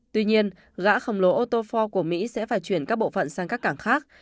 tuy nhiên gã khổng lồ ôt ford của mỹ sẽ phải chuyển các bộ phận sang các cảng khác